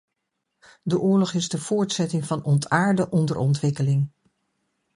De oorlog is de voortzetting van ontaarde onderontwikkeling.